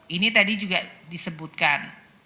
ini tadi juga disebutkan